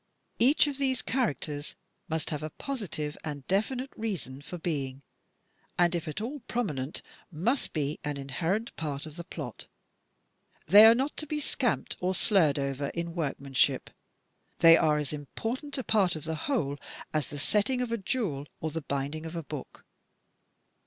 Each of these characters must have a positive and definite reason for being, and, if at all prominent, must be an inherent part of the plot. They are not to be scamped or slurred over in workmanship, for they are as important a part of the whole as the setting of a jewel or the 244 THE TECHNIQUE OF THE MYSTERY STORY binding of a book.